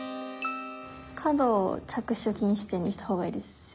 角を着手禁止点にした方がいいですよね？